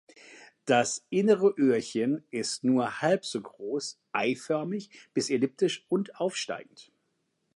Das innere Öhrchen ist nur halb so groß, eiförmig bis elliptisch und aufsteigend.